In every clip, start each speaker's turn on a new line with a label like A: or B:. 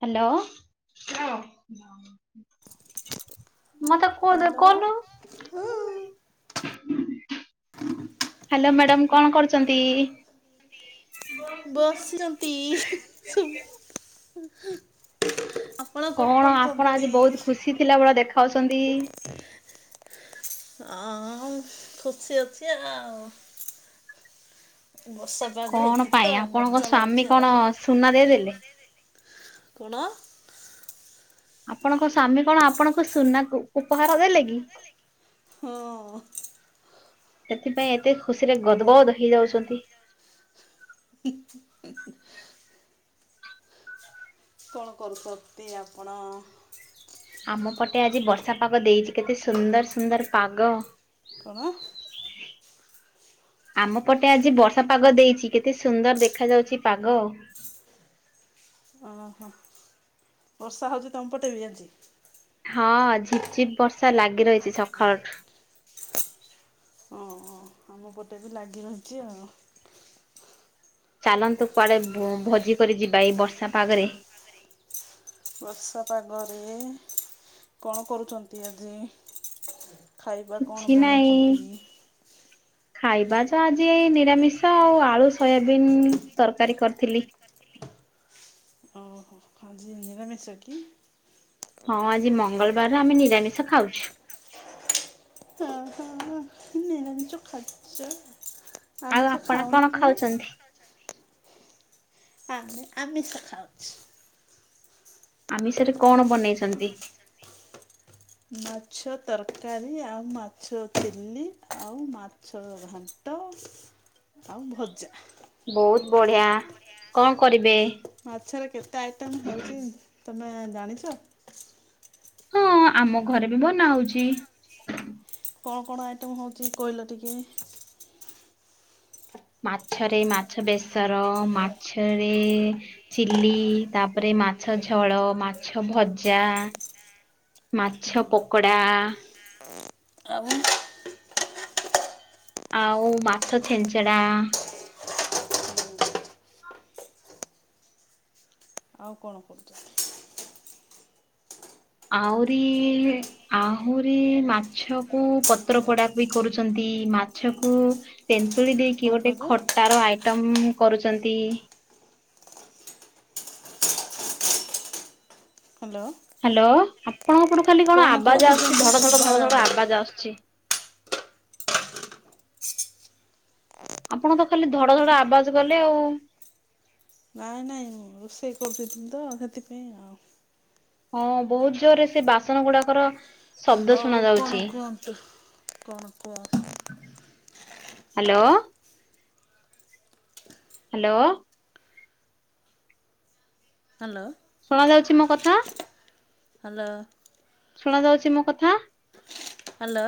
A: Hello. ମତେ କୁଅ
B: hello
A: ଦେଖୋଉନୁ।
B: ହଁ
A: ହ୍ୟାଲୋ ମ୍ୟାଡାମ କଣ କରୁଚନ୍ତି?
B: ବସିଚନ୍ତି ହି ହି ସୁବ ଏଁ।
A: କଣ ଆପଣ ଆଜି ବହୁତ ଖୁସି ଥିଲା ବେଳା ଦେଖାଉଚନ୍ତି?
B: ହଁ ଖୁସି ଅଛି ଆଉ। ବର୍ଷା ପାଗ
A: କଣ
B: ହେଇଚି ତ
A: ପାଇଁ ଆପଣଙ୍କ
B: ମଜା
A: ସ୍ଵାମୀ
B: ଲାଗୁଚି
A: କଣ
B: ଆ।
A: ସୁନା ଦେଇଦେଲେ?
B: କଣ?
A: ଆପଣଙ୍କ ସ୍ଵାମୀ କଣ ଆପଣଙ୍କୁ ସୁନାକୁ ଉପହାର ଦେଲେ କି?
B: ହଁ।
A: ସେଥିପାଇଁ ଏତେ ଖୁସି ରେ ଗଦଗଦ ହେଇଯାଉଚନ୍ତି।
B: ହୁଁ ହୁଁ ହୁଁ ହୁଁ। କଣ କରୁଚତି ଆପଣ?
A: ଆମ ପଟେ ଆଜି ବର୍ଷା ପାଗ ଦେଇଚି କେତେ ସୁନ୍ଦର ସୁନ୍ଦର ପାଗ।
B: କଣ?
A: ଆମ ପଟେ ଆଜି ବର୍ଷା ପାଗ ଦେଇଚି କେତେ ସୁନ୍ଦର ଦେଖା ଯାଉଛି ପାଗ
B: ଓହୋ ବର୍ଷା ହଉଚି ତମ ପଟେ ବି ଆଜି?
A: ହଁ ଝିପ ଝିପ ବର୍ଷା ଲାଗି ରହିଚି ସକାଳଠୁ।
B: ଓହୋ ଆମ ପଟେ ବି ଲାଗି ରହିଚି ଆଉ
A: ଚାଲନ୍ତୁ କୁଆଡେ ଭୋଜି କରି ଯିବା ଏଇ ବର୍ଷା ପାଗରେ।
B: ବର୍ଷା ପାଗରେ କଣ କରୁଚନ୍ତି ଆଜି? ଖାଇବା
A: କିଛି
B: କଣ
A: ନାହିଁ।
B: ବନେଇଚନ୍ତି?
A: ଖାଇବା ଜା ଆଜି ଏ ନିରାମିଷ ଆଉ ଆଳୁ ସୋୟାବିିନ ତରକାରୀ କରିଥିଲି।
B: ଓ ଆଜି ନିରାମିଷ କି?
A: ହଁ ଆଜି ମଙ୍ଗଳବାରରେ ଆମେ ନିରାମିଷ ଖାଉଛୁ।
B: ହ ହ ନିରଜ ଖା୍ୟ ଚ୍
A: ଆଉ
B: ଆମେ ସେ
A: ଆପଣ କଣ
B: ଖାଉାଉନା କି?
A: ଖାଉଛନ୍ତି?
B: ଆମେ ଆମିଷ ଖାଉଚୁ।
A: ଆମିଷ ରେ କଣ ବନେଇଚନ୍ତି?
B: ମାଛ ତରକାରୀ ଆଉ ମାଛ ଚିଲ୍ଲି ଆଉ ମାଛ ଘା ଣ୍ଟ ଆଉ ଭଜା।
A: ବହୁତ ବଢିଆ କଣ କରିବେ?
B: ମାଛରେ କେତେ ଆଇଟମ ହେଉଚି ତମେ ଜାଣିଛ?
A: ହଁ ଆମ ଘରେ ବି ବନା ହଉଛି।
B: କଣ କଣ ଆଇଟମ ହଉଛି କହିଲ ଟିକେ।
A: ମାଛରେ ମାଛ ବେସର ମାଛରେ ଚିଲି ତାପରେ ମାଛ ଝୋଳ ମାଛ ଭଜା। ମାଛ ପକୋଡ଼ା।
B: ଆଉୁ
A: ଆଉ ମାଛ ଛେଞ୍ଚଡା।
B: ଆଉ କଣ କରୁଛ?
A: ଆଉରି ଆହୁରି ମାଛ କୁ ପତ୍ର ପୋଡ଼ା ବି କରୁଛନ୍ତି ମାଛକୁ ତେନ୍ତୁଳି ଦେଇକି
B: କଣ
A: ଗୋଟେ
B: କହିଲେ?
A: ଖଟାର ଆଇଟମ କରୁଛନ୍ତି।
B: ହ୍ୟାଲୋ।
A: ହ୍ୟାଲୋ ଆପଣଙ୍କ ପଟୁ ଖାଲି କଣ ଆବାଜ ଆସୁଛି
B: କହୁଛନ୍ତି
A: ଧଡ଼ - ଧଡ଼ -
B: ଶୁଭା
A: ଧଡ଼ - ଧଡ଼
B: ଯାଉନି।
A: ଆବାଜ ଆସୁଛି? ଆପଣ ତ ଖାଲି ଧଡ଼ -ଧଡ଼ ଆବାଜ କଲେ ଆଉ।
B: ନାଇଁ ନାଇଁ ମୁଁ ରୋଷେଇ କରୁଥିଲି ତ ସେଥିପାଇଁ ଆଉ।
A: ହଁ ବହୁତ ଜୋରରେ ସେ ବାସନ ଗୁଡ଼ାକର ଶବ୍ଦ
B: ହଉ
A: ଶୁଣ
B: କଣ
A: ଯାଉଛି।
B: କୁହନ୍ତୁ କଣ କୁହ?
A: ହ୍ୟାଲୋ। ହ୍ୟାଲୋ।
B: ହ୍ୟାଲୋ।
A: ଶୁଣ ଯାଉଛି ମୋ କଥା?
B: ହ୍ୟାଲୋ।
A: ଶୁଣ ଯାଉଛି ମୋ କଥା?
B: ହ୍ୟାଲୋ।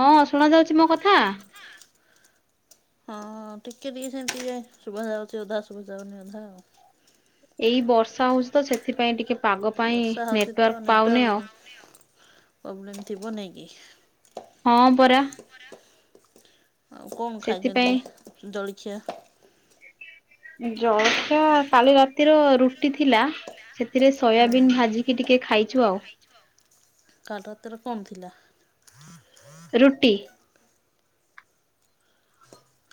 A: ହଁ ଶୁଣ ଯାଉଛି ମୋ କଥା?
B: ହଁ ଟିକେ ଟିକେ ସେମିତି ଶୁଭ ଯାଉଛି ଅଧା ଶୁଭ ଯାଉନି ଅଧା ଆଉ।
A: ଏଇ ବର୍ଷା ହଉଛି ତ ସେଥିପାଇଁ ଟିକେ ପାଗ ପାଇଁ
B: ବର୍ଷା
A: ନେଟୱାର୍କ ପାଉନି ଆଉ।
B: ପ୍ରୋବ୍ଲେମ ଥିବ ନାଇଁ କି?
A: ହଁ ପରା।
B: ଆଉ କଣ ଖାଇଛନ୍ତି
A: ସେଥିପାଇଁ
B: ଜଳଖିଆ?
A: ଜଳଖିଆ କାଲି ରାତିର ରୁଟି ଥିଲା ସେଥିରେ
B: ହଁ
A: ସୋୟାବିନ୍ ଭାଜିକି ଟିକେ ଖାଇଛୁ ଆଉ।
B: କାଲି ରାତିରେ କଣ ଥିଲା?
A: ରୁଟି।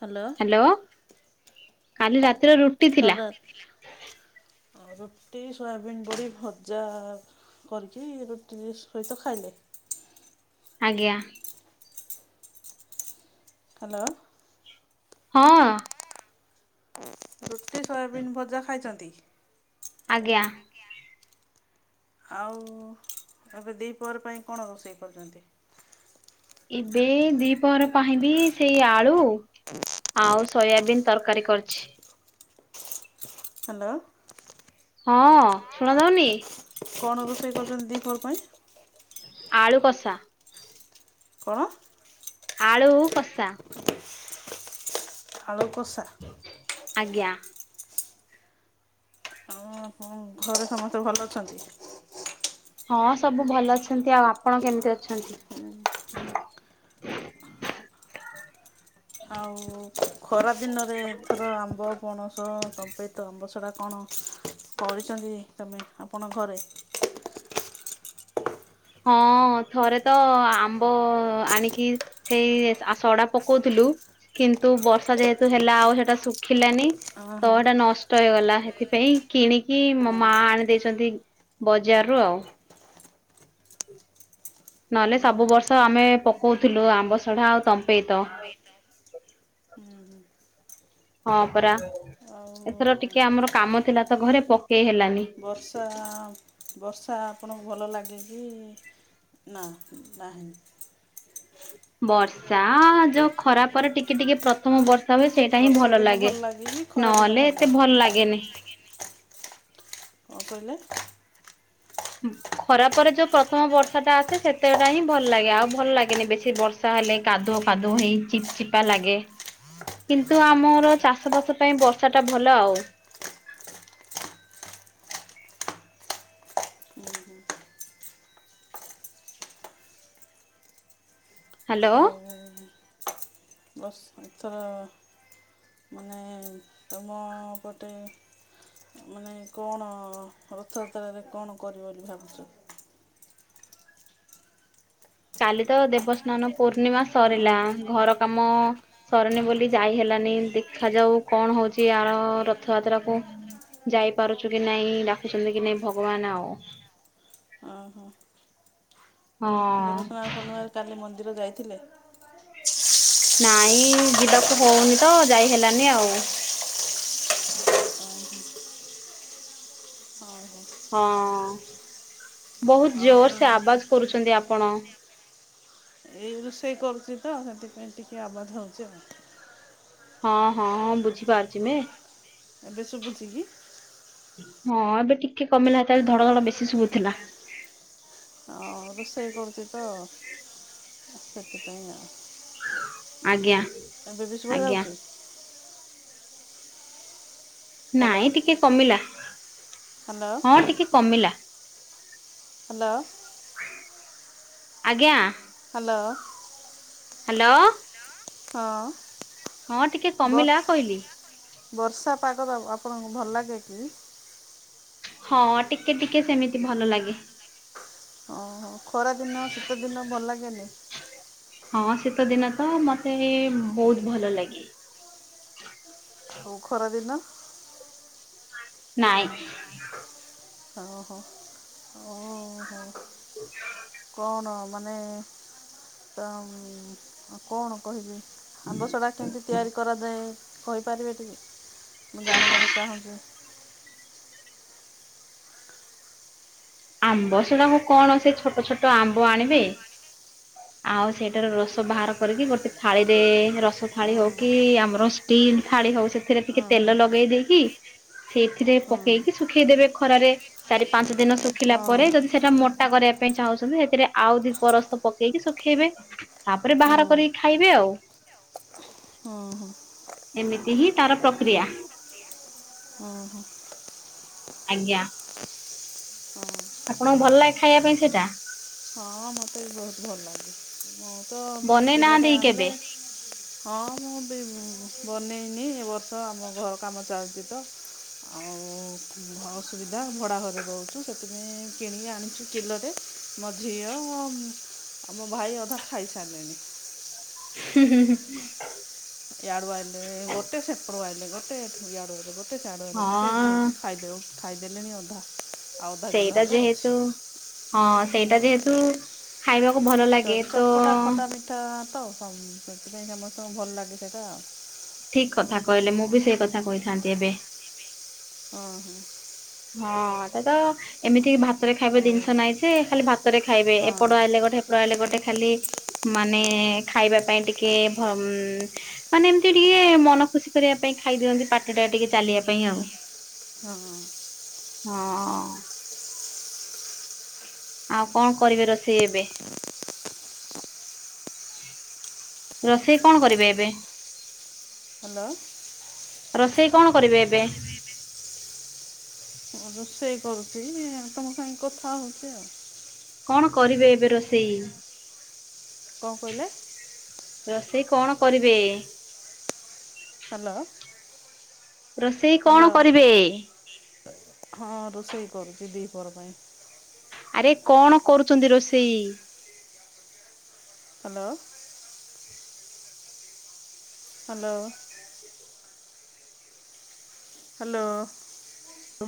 B: ହ୍ୟାଲୋ।
A: ହ୍ୟାଲୋ, କାଲି ରାତିର ରୁଟି
B: କାଲି
A: ଥିଲା
B: ରା
A: ମ
B: ରୁଟି, ସୋୟାବିନ ବଡ଼ି ଭଜା। କରିକି ରୁଟି ସହିତ ଖାଇଲେ।
A: ଆଜ୍ଞା।
B: ହ୍ୟାଲୋ।
A: ହଁ।
B: ହୁଁଁ। ରୁଟି ସୋୟାବିନ୍ ଭଜା ଖାଇଛନ୍ତି?
A: ଆଜ୍ଞା।
B: ଆଉ ଏବେ ଦିପହର ପାଇଁ କଣ ରୋଷେଇ କରିଛନ୍ତି?
A: ଏବେ ଦି ପହର ପାଇଁବି ସେଇ ଆଳୁ ଆଉ ସୋୟାବିନ୍ ତରକାରୀ କରିଛି।
B: ହ୍ୟାଲୋ।
A: ହଁ ଶୁଣା ଯାଉନି?
B: କଣ ରୋଷେଇ କରୁଛନ୍ତି ଦି ପାହର ପାଇଁ?
A: ଆଳୁ କଷା।
B: କଣ?
A: ଆଳୁ କଷା।
B: ଆଳୁ କଷା।
A: ଆଜ୍ଞା।
B: ଓହୋ! ଘରେ ସମସ୍ତେ ଭଲ ଅଛନ୍ତି?
A: ହଁ ସବୁ ଭଲ ଅଛନ୍ତି ଆଉ ଆପଣ କେମିତି ଅଛନ୍ତି?
B: ଆଉ ଖରାଦିନରେ ଏଥର ଆମ୍ବ, ପଣସ, ଚମ୍ପେଇତ ଆମ୍ବ ସଡ଼ା କଣ କଣ କରିଛନ୍ତି ତମେ ଆପଣ ଘରେ?
A: ହଁ ଥରେତ ଆମ୍ବ ଆଣିକି ସେଇ ସଢା ପକଉଥିଲୁ କିନ୍ତୁ ବର୍ଷା ଯେହେତୁ ହେଲା ଆଉ ସେଟା ଶୁଖିଲାନି
B: ଅଁ ହଁ
A: ତଟା ନଷ୍ଟ ହେଇଗଲା ସେଥିପାଇଁ କିଣିକି ମୋ
B: ଅଁ
A: ମା ଆଣି ଦେଇେଇଛନ୍ତି ବଜାରରୁ ଆଉ ନହେଲେ
B: ହଁ ଉଁ
A: ସବୁ
B: ହୁଁ
A: ବର୍ଷ ଆମେ ପକଉଥିଲୁ ଆମ୍ବ ସଢା ଆଉ ତମ୍ପେଇ ତ
B: ତମ୍ପେଇତ ହୁଁ ହୁଁ
A: ହଁ ପରା
B: ଆଉ
A: ଏଥର ଟିକେ ଆମର କାମ ଥିଲା ତ ଘରେ ପକେଇ ହେଲାନି
B: ବର୍ଷା ବର୍ଷା ଆପଣଙ୍କୁ ଭଲ ଲାଗେ କିି ନା ନାହିଁ
A: ବର୍ଷା ଯୋଉ ଖରାପରେ ଟିକେ ଟିକେ ପ୍ରଥମ ବର୍ଷା ହୁଏ ସେଇଟା ହିଁ
B: ବର୍ଷା
A: ଭଲ
B: ଦିନ
A: ଲାଗେ
B: କି ଖରା ଦିନ
A: ନହେଲେ ଏତେ
B: ଲାଗେ
A: ଭଲ ଲାଗେନି
B: କଣ କହିଲେ
A: ଖରା ପରେ ଯୋଉ ପ୍ରଥମ ବର୍ଷା ଟା ଆସେ ସେତେଟା ହିଁ ଭଲ ଲାଗେ ଆଉ ଭଲ ଲାଗେନି ବେଶୀ ବର୍ଷା ଯାହାଲେ ହେଲେ କାଦୁଅ ଫାଦୁଅ ହେଇ ଚିପ ଚିପା ଲାଗେ କିନ୍ତୁ ଆମର ଚାଷବାସ ପାଇଁ ବର୍ଷା ଟା ଭଲ ଆଉ
B: ହୁଁ ହୁଁ
A: ହାଲୋ
B: ବସ୍ ଏଥର ମାନେ ତମ ପଟେ ମାନେ କଣ ରଥଯାତ୍ରାରେ କଣ କରିବ ବୋଲି ଭାବୁଛ
A: କାଲିତ ଦେବସ୍ନାନ ପୂର୍ଣିମା
B: ହଁ
A: ସରିଲା ଘର କାମ ସରିନୀ ବୋଲି ଯାଇ ହେଲାନି ଦେଖାାଯାଉ କଣ ହଉଛି ଆର ରଥଯାତ୍ରା କୁ ଯାଇପାରୁଛୁ କି ନାଇଁ ଡାକୁଛନ୍ତି କି ନାଇଁ ଭଗବାନ ଆଉ
B: ଓ ହୋ
A: ହଁ
B: ଦେବସ୍ନାନ ପୂର୍ଣିମାରେ କାଲି ମନ୍ଦିର ଯାଇଥିଲେ
A: ନାଇଁ ଯିବାକୁ ହଉନି ତ ଯାଇ ହେଲାନି ଆଉ ହଁ ବହୁତ
B: ଆଉ
A: ଜୋରସେ ଆବାଜ କରୁଛନ୍ତି ଆପଣ
B: ଏଇ ରୋଷେଇ କରୁଛି ତ ସେଥିପାଇଁ ଟିକେ ଆବାଦ ହଉଛି ଆଉ
A: ହଁ ହଁ ହଁ ବୁଝିପାରୁଚି ମେ
B: ଏବେ ଶୁଭୁଛି କି
A: ହଁ ଏବେ ଟିକେ କମିଲା ତାଲେ ଧଡ ଧଡ ବେଶୀ ଶୁଭୁଥିଲା
B: ଆଉ ରୋଷେଇ କରୁଛି ତ ସେଥିପାଇଁ ଆଉ
A: ଆଜ୍ଞା
B: ଏବେବି ସୁଭା
A: ଆଜ୍ଞା
B: ଯାଉଛି ହ୍ୟାଲୋ
A: ନାଇଁ ଟିକେ କମିଲା
B: ହ୍ୟାଲୋ
A: ହଁ ଟିକେ କମିଲା
B: ହାଲୋ
A: ଆଜ୍ଞା।
B: ହାଲୋ।
A: ହାଲୋ।
B: ହଁ।
A: ହଁ ଟିକେ କମିଲା କହିଲି।
B: ବର୍ଷା ପାଗ ତ ଆଉ ଆପଣଙ୍କୁ ଭଲ ଲାଗେ କି?
A: ହଁ ଟିକେ ଟିକେ ସେମିତି ଭଲ ଲାଗେ
B: ହଁ ଖରା ଦିନ ଶୀତ ଦିନ ଭଲ ଲାଗେନେଇ?
A: ହଁ ଶୀତ ଦିନ ତ ମତେ ଭୋଉତ୍ ଭଲ ଲାଗେ।
B: ଆଉ ଖରାଦିନ?
A: ନାଇଁ।
B: ହ ହୋ ଓହୋ କଣ ମନେ ତ ଉଁ ଅ କଣ କହିବି ଆମ୍ବସଡ଼ା କେମତି ତିଆରି କରାଯାଏ କହିପାରିବେ ଟିକେ ମୁଁ ଜାଣିବାକୁ ଚାହୁଁଚି।
A: ଆମ୍ବ ସେଡ଼ାକୁ କଣ ସେ ଛୋଟ ଛୋଟ ଆମ୍ବ ଆଣିବେ। ଆଉ ସେଇଟାର ରୋସ ବାହାର କରିକି ଗୋଟେ ଥାଳିରେ ରସ
B: ହଁ
A: ଥାଳି ହଉ କି ଆମର ଷ୍ଟିଲ୍ ଥାଳି ହଉ ସେଥିରେ ଟିକେ
B: ହଁ
A: ତେଲ
B: ହଁ
A: ଲଗେଇ ଦେଇକି ସେଇଥିରେ ପକେଇକି ସୁ ଖେଇଦେବେ ଖରାରେ ଚାରି ପାଞ୍ଚ ଦିନ ଶୁଖିଲା
B: ହଁ
A: ପରେ ଯଦି ସେଟା ମୋଟା କରିବା ପାଇଁ ଚାହୁଁଛନ୍ତି ସେଥିରେ ଆଉ ଦି ପରସ୍ତ ପକେଇକି ଶୁଖେଇବେ। ତାପରେ
B: ହଁ
A: ବାହାର କରିକି ଖାଇବେ ଆଉ।
B: ହଁ ହଁ।
A: ଏମିତି ହିଁ ତାର ପ୍ରକ୍ରିୟା।
B: ଓହୋ।
A: ଆଜ୍ଞା। ଆପଣଙ୍କୁ ଭଲ ଲାଗେ ଖାଇବା ପାଇଁ ସେଇଟା?
B: ହଁ ମୋତେ ବି ବହୁତ ଭଲ ଲାଗେ ମୁଁ ତ ମାନେ
A: ବନେଇ
B: କିଲଟେ
A: ନାହାନ୍ତି କି
B: ଆଣିଲେ
A: କେବେ?
B: ହଁ ମୁଁ ବି ବନେଇନି ଏ ବର୍ଷ ଆମ ଘର କାମ ଚାଲଚି ତ। ଆଉ ଅସୁବିଧା ଭଡ଼ା ଘରେ ରହୁଚୁ ସେଥିପାଇଁ କିଣିକି ଆଣିଚୁ କିଲରେ। ମୋ ଝିଅ ମୋ ଭାଇ ଅଧା ଖାଇସାରଲେଣି।
A: ହୁଁ ହୁଁ ହୁଁ ‌।
B: ୟାଡ଼ୁ ଆଇଲେ ଗୋଟେ ସେପଡ଼ୁ ଆଇଲେ ଗୋଟେ ଏଠୁ ୟାଡ଼ୁ ଗଲେ ଗୋଟେ ସ୍ୟାଡ଼ୁ ଆଇଲେ ଗୋଟେଇ
A: ହଁ
B: ଭେଇ ଖାଇଦେଇ ଖାଇଦେଲେଣି ଆଧା।
A: ସେଇଟା ଯେହେତୁ ହଁ ସେଇଟା ଯେହେତୁ ଖାଇବାକୁ ଭଲ ଲାଗେ ତ
B: ଟା ତ ସଁ ସେଥିପାଇଁ ସମସ୍ତଙ୍କୁ ଭଲ ଲାଗେ ସେଟା।
A: ଠିକ୍ କଥା କହିଲେ ମୁଁ ବି ସେଇ କଥା କହିଥାନ୍ତି ଏବେ।
B: ଅହ।
A: ହଁ ତାତ ଏମିତିକି ଭା ତରେ ଖାଇବା
B: ହଁ
A: ଦିନଷ ନାଇଁ ଯେ ଖାଲି ଭାତରେ ଖାଇବେ
B: ହଉ ହଁ
A: ଏପଟୁ ଆଇଲେ ଗୋଟେ ହେ ରୁ ଆଇଲେ ଗୋଟେ ଖାଲି ମାନେ ଖାଇବା ପାଇଁ ଟିକେ ଭ ଉଁ ମାନେ ଏମତି ଟିକେ ମନ ଖୁସି କରିବା ପାଇଁ ଖାଇଦିଅନ୍ତି ପାଟିଟା ଟିକେ ଚାଲିବା ପାଇଁ ଆଉ।
B: ହଁ।
A: ହଁ। ଆଉ କଣ କରିବେ ରୋଷେଇ ଏବେ? ରୋଷେଇ କଣ କରିବେ ଏବେ?
B: ହାଲୋ।
A: ରଷେଇ କଣ କରିବେ ଏବେ?
B: ରୋଷେଇ କରୁଚି ଆ ତମ ସାଙ୍ଗେ କଥା ହଉଚି ଆଉ।
A: କଣ କରିବେ ଏବେ ରୋଷେଇ?
B: କଣ କହିଲେ
A: ରୋଷେଇ କଣ କରିବେ
B: ହ୍ୟାଲୋ
A: ରୋଷେଇ
B: ହ୍ୟାଲୋ
A: କଣ କରିବେ
B: ହଁ ରୋଷେଇ କରୁଛି ଦିପର ପାଇଁ
A: ଆରେ କଣ କରୁଛନ୍ତି ରୋଷେଇ
B: ହ୍ୟାଲୋ ହ୍ୟାଲୋ ହ୍ୟାଲୋ
A: ହ